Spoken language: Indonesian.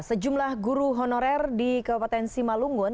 sejumlah guru honorer di kabupaten simalungun